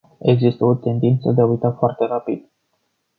Există o tendință de a uita foarte rapid.